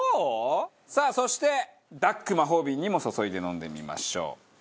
さあそしてＤＵＫＫ魔法瓶にも注いで飲んでみましょう。